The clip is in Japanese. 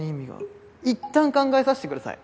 いったん考えさせてください。